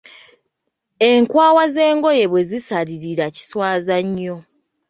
Enkwawa z'engoye bwezisalirira kiswaza nnyo.